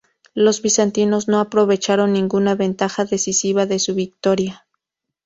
Los bizantinos no aprovecharon ninguna ventaja decisiva de su victoria.